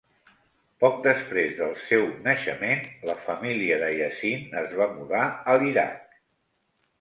Poc després del seu naixement, la família de Yasin es va mudar a l'Iraq.